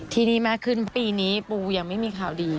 ที่นี่มากขึ้นปีนี้ปูยังไม่มีข่าวดี